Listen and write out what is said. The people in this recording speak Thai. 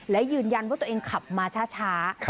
และยืนยันว่าตัวเองขับมาช้า